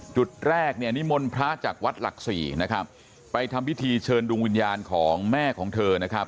จุดแรกเนี่ยนิมนต์พระจากวัดหลักศรีนะครับไปทำพิธีเชิญดวงวิญญาณของแม่ของเธอนะครับ